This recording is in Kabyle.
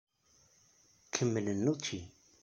Kemmlen učči.